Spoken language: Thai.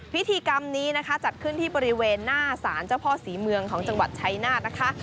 พิธีกรรมนี้นะคะจัดขึ้นที่บริเวณหน้าศาลเจ้าพ่อศรีเมืองของจังหวัดชัยนาธนะคะ